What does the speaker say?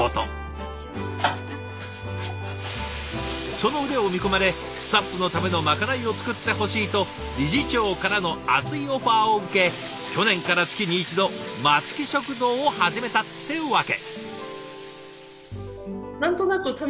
その腕を見込まれスタッフのためのまかないを作ってほしいと理事長からの熱いオファーを受け去年から月に１度松木食堂を始めたってわけ！